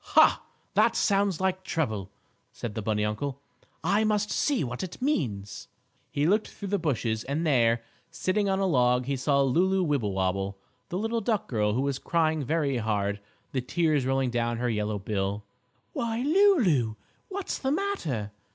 "Ha! That sounds like trouble!" said the bunny uncle. "I must see what it means." He looked through the bushes and there, sitting on a log, he saw Lulu Wibblewobble, the little duck girl, who was crying very hard, the tears rolling down her yellow bill. "Why, Lulu! What's the matter?"